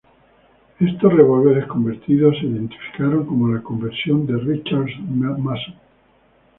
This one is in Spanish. Estos revólveres convertidos se identificaron como la "conversión de Richards-Mason".